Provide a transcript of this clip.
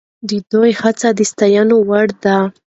د ده هڅې د ستاینې وړ دي.